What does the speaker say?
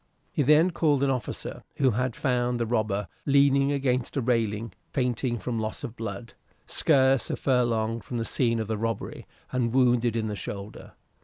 He then called an officer, who had found the robber leaning against a railing fainting from loss of blood, scarce a furlong from the scene of the robbery, and wounded in the shoulder.